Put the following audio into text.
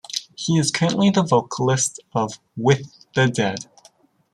He is currently the vocalist of With the Dead.